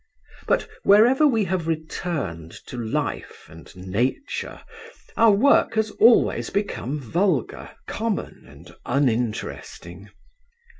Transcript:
But wherever we have returned to Life and Nature, our work has always become vulgar, common and uninteresting.